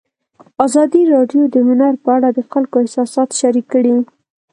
ازادي راډیو د هنر په اړه د خلکو احساسات شریک کړي.